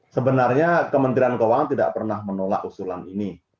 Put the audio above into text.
sebenarnya kementerian keuangan tidak pernah menolak usulan ini